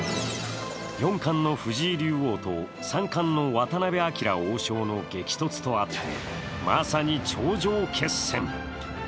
四冠の藤井竜王と三冠の渡辺明王将の激突とあってまさに頂上決戦。